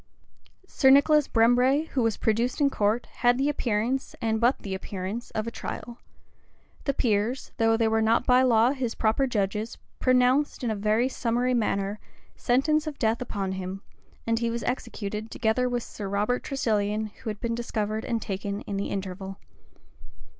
Sir Nicholas Brembre, who was produced in court, had the appearance, and but the appearance, of a trial: the peers, though they were not by law his proper judges, pronounced, in a very summary manner, sentence of death upon him; and he was executed, together with Sir Robert Tresilian, who had been discovered and taken in the interval.